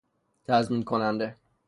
تضمین کننده